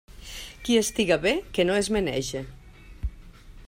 Qui estiga bé, que no es menege.